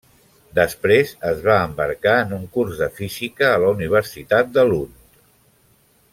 Després es va embarcar en un curs de física a la Universitat de Lund.